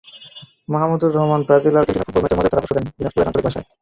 Mahmudur Rahman Brazil Argentina football ম্যাচের মজার ধারাভাষ্য দেন দিনাজপুরের আঞ্চলিক ভাষায়।